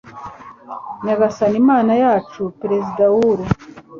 nyagasani mana yacu, perezida w'uru